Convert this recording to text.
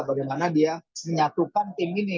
bagaimana dia menyatukan tim ini